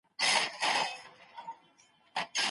له پردي کس سره خلوت کول د الله تعالی نافرماني ده.